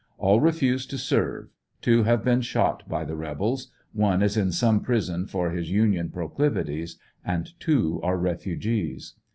All refused to serve. Two have been shot by the rebels, one is in some prison for his Union proclivities, and two are refugees.